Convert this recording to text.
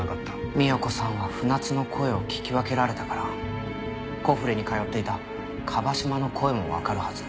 三代子さんは船津の声を聞き分けられたからコフレに通っていた椛島の声もわかるはず。